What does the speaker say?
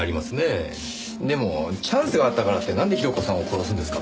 でもチャンスがあったからってなんで広子さんを殺すんですか？